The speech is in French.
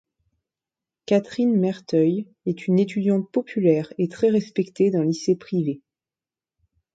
Kathryn Merteuil est une étudiante populaire et très respectée d'un lycée privé.